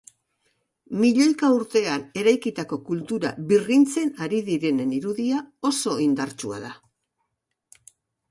Milioika urtean eraikitako kultura birrintzen ari direnen irudia oso indartsua da.